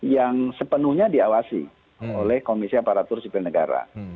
yang sepenuhnya diawasi oleh komisi aparatur sipil negara